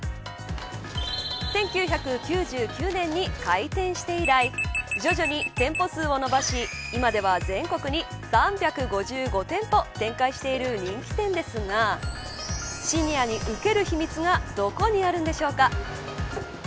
１９９９年に開店して以来徐々に、店舗数をのばし今では全国に３５５店舗展開している人気店ですがシニアに受ける秘密がどこにあるんでしょうか。